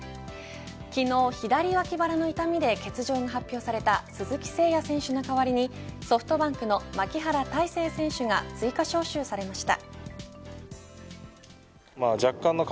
昨日、左脇腹の痛みで欠場が発表された鈴木誠也選手の代わりにソフトバンクの牧原大成選手が追加招集されました。